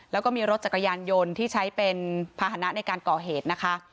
แล้วก็มีรถจักรยานยนต์ที่ใช้เป็นภาษณะในการก่อเหตุนะคะ